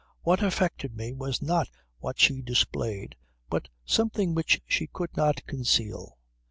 What affected me was not what she displayed but something which she could not conceal.